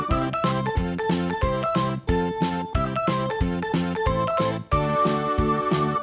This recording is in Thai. โจมเบอร์บลรอง